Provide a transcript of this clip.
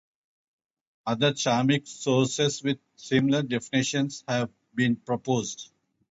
Other Chamic sources, with similar definitions, have been proposed.